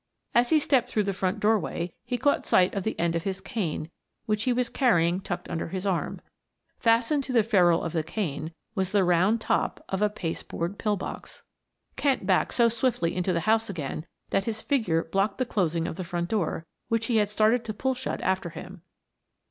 As he stepped through the front doorway he caught sight of the end of his cane, which he was carrying tucked under his arm. Fastened to the ferule of the cane was the round top of a paste board pill box. Kent backed so swiftly into the house again that his figure blocked the closing of the front door, which he had started to pull shut after him.